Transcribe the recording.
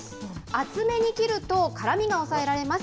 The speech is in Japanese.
厚めに切ると、辛みが抑えられます。